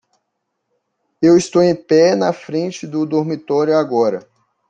Eu estou em pé na frente do dormitório agora.